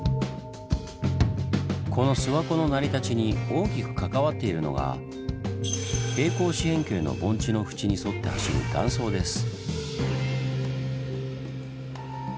この諏訪湖の成り立ちに大きく関わっているのが平行四辺形の盆地の縁に沿って走る断層です。